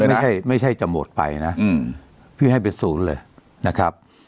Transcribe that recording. ไม่ใช่ไม่ใช่จะหมดไปนะพี่ให้เป็นศูนย์เลยนะครับ